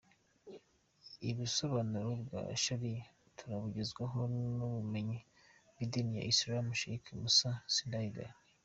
Ibusabanuro bwa shariya turabugezwaho n’umumenyi mu idini ya Islam, Sheik Musa Sindayigaya.